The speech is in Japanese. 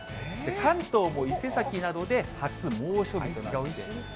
関東も伊勢崎などで初猛暑日となりました。